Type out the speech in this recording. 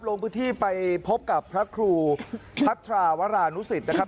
ลงพื้นที่ไปพบกับพระครูพัทราวรานุสิตนะครับ